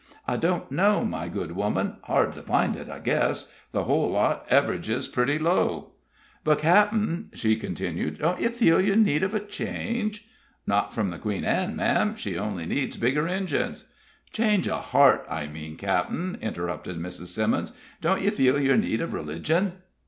"I I don't know, my good woman hard to find it, I guess the hull lot averages purty low." "But, cap'en," she continued, "don't you feel your need of a change?" "Not from the Queen Ann, ma'am she only needs bigger engines " "Change of heart, I mean, cap'en," interrupted Mrs. Simmons. "Don't you feel your need of religion?"